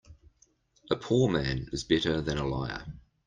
A poor man is better than a liar.